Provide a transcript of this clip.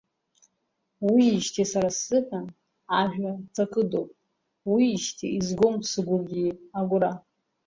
Уиижьҭеи са сзыҳәан ажәа ҵакыдоуп, уиижьҭеи изгом сыгәгьы агәра…